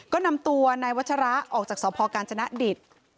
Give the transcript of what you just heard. ก็นำตัวในวัชราออกจากสอบพกาญจนัดดิต